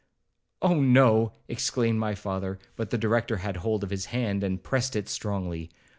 'Oh no!' exclaimed my father; but the Director had hold of his hand, and pressed it strongly.